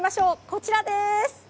こちらです。